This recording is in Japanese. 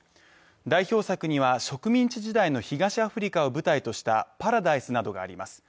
代表作には植民地時代の東アフリカを舞台とした「パラダイス」などがあります。